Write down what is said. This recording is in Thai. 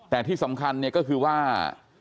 แต่ที่สำคัญเนี่ยก็คือว่า